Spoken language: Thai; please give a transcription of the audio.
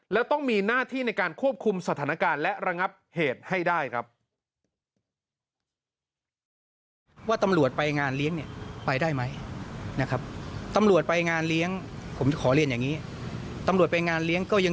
แล้วต้องมีหน้าที่ในการควบคุมสถานการณ์และระงับเหตุให้ได้ครับ